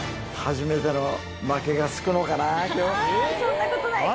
そんなことない。